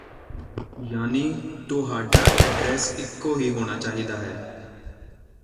ਯਾਨਿ ਤੁਹਾਡਾ ਐਡਰੈਸ ਇੱਕੋ ਹੀ ਹੋਣਾ ਚਾਹੀਦਾ ਹੈ